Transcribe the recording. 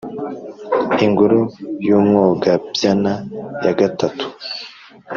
Ingoro y‘Umwogabyana yagatatu